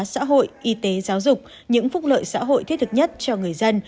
xã hội y tế giáo dục những phúc lợi xã hội thiết thực nhất cho người dân